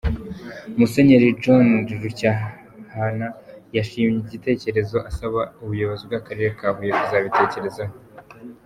Musenyeri John Rucyahana yashimye iki gitekerezo, asaba ubuyobozi bw’Akarere ka Huye kuzabitekerezaho.